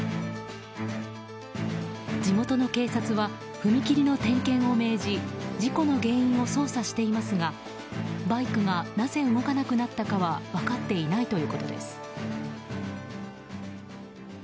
地元警察は踏切の点検を命じ事故の原因を捜査していますがバイクがなぜ動かなくなったかは分かっていないということです。